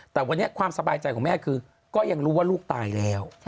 แต่วันนี้ความสบายใจของแม่คือก็ยังรู้ว่าลูกตายแล้ว